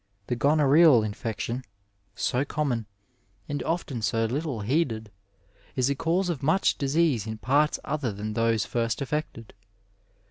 The gonorrhoea! infection, so common, and often so little heeded, is a cause of much disease in parts other than those first affected.